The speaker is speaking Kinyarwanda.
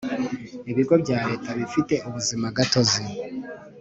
Ibigo bya Leta bifite ubuzimagatozi